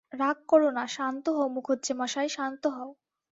রাগ কোরো না, শান্ত হও মুখুজ্যেমশায়, শান্ত হও।